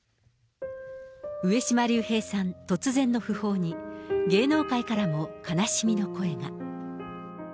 上島竜兵さん、突然の訃報に、芸能界からも悲しみの声が。